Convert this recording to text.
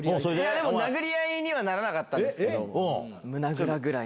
でも、殴り合いにはならなかったんですけど。